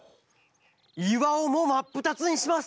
いわをもまっぷたつにします！